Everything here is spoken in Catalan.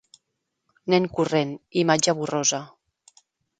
Nen corrent, imatge borrosa.